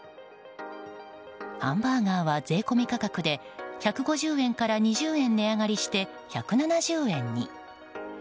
ハンバーガーは税込み価格で１５０円から値上がりして１７０円に。